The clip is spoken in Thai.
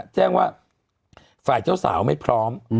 แจ้งว่าฝ่ายเจ้าสาวไม่พร้อม